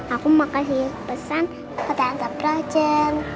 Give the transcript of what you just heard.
aku mau kasih pesan ke tante frozen